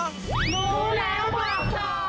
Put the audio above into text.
รู้แล้วบอกต่อ